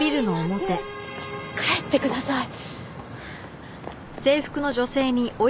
帰ってください。